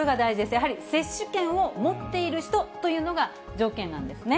やはり接種券を持っている人というのが条件なんですね。